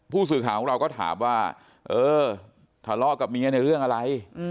ผู้สื่อข่าวของเราก็ถามว่าเออทะเลาะกับเมียในเรื่องอะไร